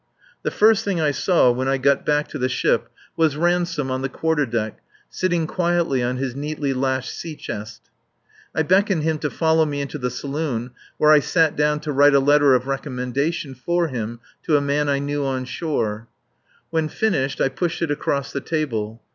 The first thing I saw when I got back to the ship was Ransome on the quarter deck sitting quietly on his neatly lashed sea chest. I beckoned him to follow me into the saloon where I sat down to write a letter of recommendation for him to a man I knew on shore. When finished I pushed it across the table.